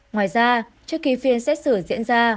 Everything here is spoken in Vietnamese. ngoài ra trước khi phiên xét xử diễn ra